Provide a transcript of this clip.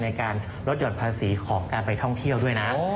ในการลดหย่อนภาษีของการไปท่องเที่ยวด้วยนะ